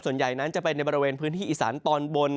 ส่วนใหญ่นั้นจะเป็นในบริเวณพื้นที่อีสานตอนบน